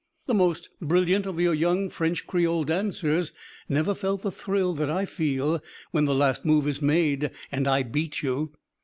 The most brilliant of your young French Creole dancers never felt the thrill that I feel when the last move is made and I beat you."